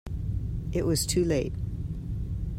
It was too late.